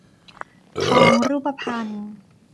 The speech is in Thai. ทองรูปพรรณ